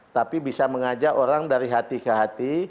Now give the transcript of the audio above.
tapi bisa mengajak orang dari hati ke hati